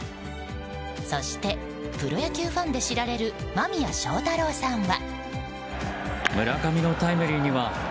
そしてプロ野球ファンで知られる間宮祥太朗さんは。